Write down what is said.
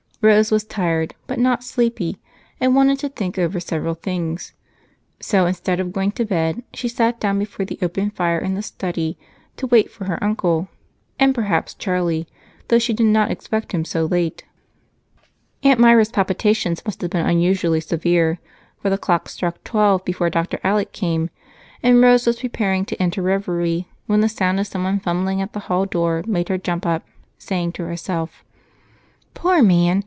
Rose was tired but not sleepy and wanted to think over several things, so instead of going to bed she sat down before the open fire in the study to wait for her uncle and perhaps Charlie, though she did not expect him so late. Aunt Myra's palpitations must have been unusually severe, for the clock struck twelve before Dr. Alec came, and Rose was preparing to end her reverie when the sound of someone fumbling at the hall door made her jump up, saying to herself: "Poor man!